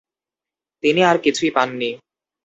তিনি আর কিছুই পাননি।